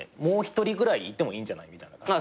もう１人ぐらいいてもいいんじゃないみたいな。